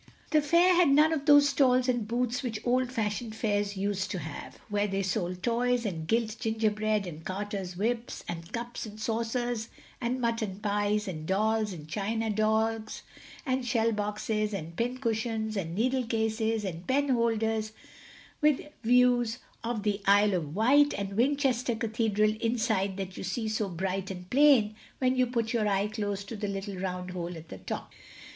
The fair had none of those stalls and booths which old fashioned fairs used to have, where they sold toys, and gilt gingerbread, and carters' whips, and cups and saucers, and mutton pies, and dolls, and china dogs, and shell boxes, and pincushions, and needle cases, and penholders with views of the Isle of Wight and Winchester Cathedral inside that you see so bright and plain when you put your eye close to the little round hole at the top.